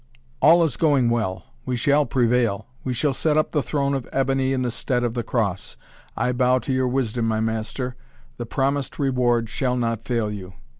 "All is going well! We shall prevail! We shall set up the throne of Ebony in the stead of the Cross. I bow to your wisdom, my master! The promised reward shall not fail you!"